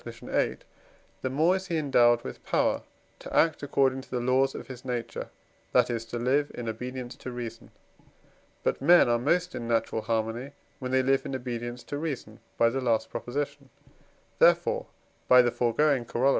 viii.), the more is he endowed with power to act according to the laws of his own nature, that is to live in obedience to reason. But men are most in natural harmony, when they live in obedience to reason (by the last Prop.); therefore (by the foregoing Coroll.)